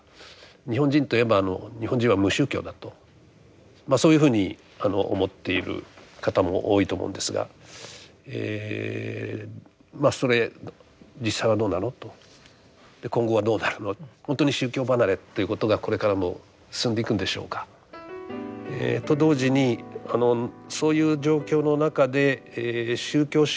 日本人といえば日本人は無宗教だとそういうふうに思っている方も多いと思うんですがまあそれ実際はどうなのと今後はどうなるのほんとに宗教離れということがこれからも進んでいくんでしょうか。と同時にそういう状況の中で宗教集団というのはですね